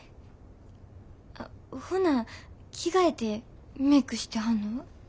ほな着替えてメークしてはんのは？